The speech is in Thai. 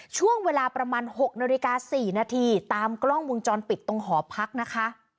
ช่วงเวลาประมาณ๖นาฬิกา๔นาทีตามกล้องวงจรปิดตรงหอพักนะคะ